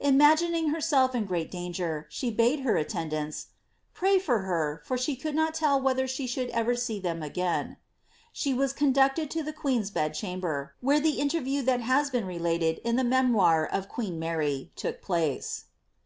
Imagin ing herself in great danger, she bade her attendants ^^ pray for her, for she could not tell whether she should ever see them again."' She was conducted to the queen's bed chamber, where the interview that has been related in the memoir of queen Mary took place.'